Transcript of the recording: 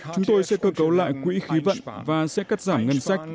chúng tôi sẽ cơ cấu lại quỹ khí vận và sẽ cắt giảm ngân sách